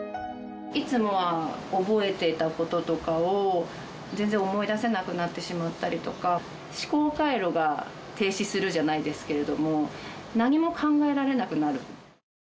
いつもは覚えてたこととかを、全然思い出せなくなってしまったりとか、思考回路が停止するじゃないですけれども、何も考えられなくなる。